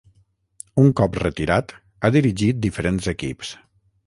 Un cop retirat, ha dirigit diferents equips.